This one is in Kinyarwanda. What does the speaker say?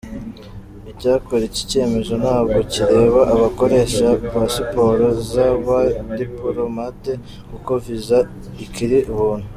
Icyakora iki cyemezo ntabwo kireba abakoresha pasiporo z’abadipolomate kuko visa ikiri ubuntu.